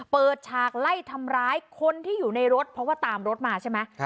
ฉากไล่ทำร้ายคนที่อยู่ในรถเพราะว่าตามรถมาใช่ไหม